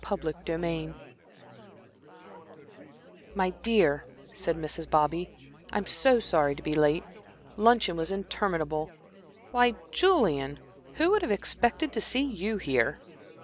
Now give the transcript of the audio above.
Chapter XVIII "My dear," said Mrs. Bobby, "I'm so sorry to be late. Luncheon was interminable. Why, Julian, who would have expected to see you here?"